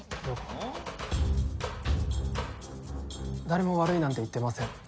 誰も悪いなんて言ってません。